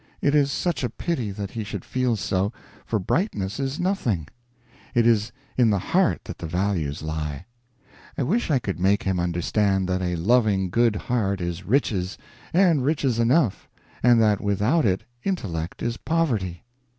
It is such a pity that he should feel so, for brightness is nothing; it is in the heart that the values lie. I wish I could make him understand that a loving good heart is riches, and riches enough, and that without it intellect is poverty.